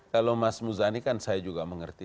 kalau mas muzani kan saya juga mengerti